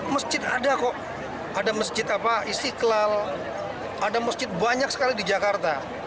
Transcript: masjid ada kok ada masjid apa istiqlal ada masjid banyak sekali di jakarta